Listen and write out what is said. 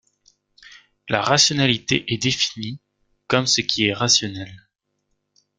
La rationalité est défini comme ce qui est rationnel.